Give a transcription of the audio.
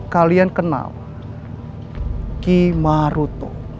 kalian kenal ki maruto